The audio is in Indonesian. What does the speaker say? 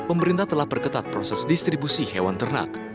pemerintah telah perketat proses distribusi hewan ternak